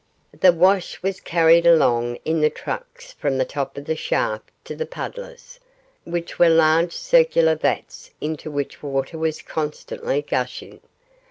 The wash was carried along in the trucks from the top of the shaft to the puddlers, which were large circular vats into which water was constantly gushing.